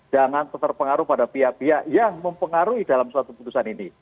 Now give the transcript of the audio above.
jangan terpengaruh pada pihak pihak yang mempengaruhi dalam suatu putusan ini